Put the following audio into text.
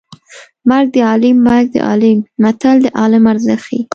مرګ د عالیم مرګ د عالیم متل د عالم ارزښت ښيي